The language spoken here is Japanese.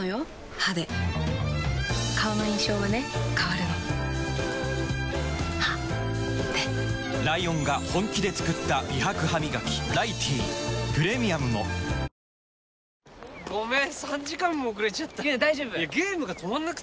歯で顔の印象はね変わるの歯でライオンが本気で作った美白ハミガキ「ライティー」プレミアムも・照井さん。